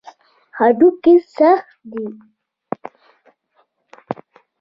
هډوکي سخت دي.